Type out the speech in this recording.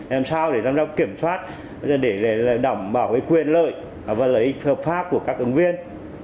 làm sao để làm sao kiểm soát để đảm bảo quyền lợi và lợi ích hợp pháp của các ứng viên